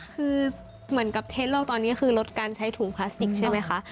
คือเหมือนกับเทสโลกตอนนี้คือลดการใช้ถุงพลาสติกใช่ไหมคะ